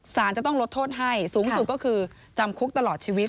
สารจะต้องลดโทษให้สูงสุดก็คือจำคุกตลอดชีวิต